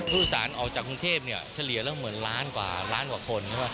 ผู้อุตสานออกจากกรุงเทพฯเฉลี่ยแล้วเหมือนล้านกว่าคน